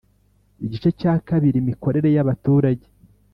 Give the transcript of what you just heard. Igice cya kabiri Imikorere ya baturage